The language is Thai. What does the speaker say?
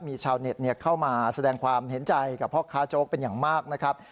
มีชาวเน็ตเข้ามาแสดงความเห็นใจกับพ่อค้าโจ๊กเป็นอย่างมากนะครับ